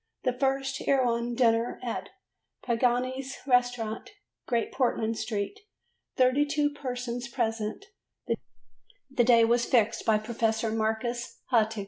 The first Erewhon dinner at Pagani's Restaurant, Great Portland Street; 32 persons present: the day was fixed by Professor Marcus Hartog.